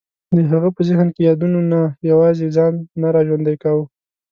د هغه په ذهن کې یادونو نه یوازې ځان نه را ژوندی کاوه.